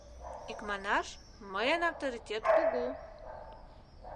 Икманаш, мыйын авторитет кугу...